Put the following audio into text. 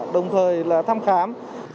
đồng thời là thăm khám